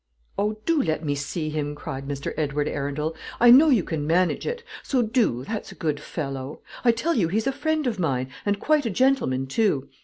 "Oh, do let me see him," cried Mr. Edward Arundel. "I know you can manage it; so do, that's a good fellow. I tell you he's a friend of mine, and quite a gentleman too.